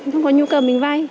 không có nhu cầu mình vay